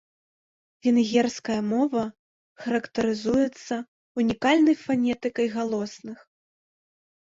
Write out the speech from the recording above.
Венгерская мова характарызуецца ўнікальнай фанетыкай галосных.